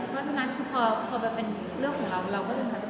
งานของเราภาษาอย่างขนาดข้อผู้มือบาทีมาก